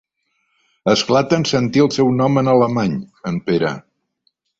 Esclata en sentir el seu nom en alemany, en Pere.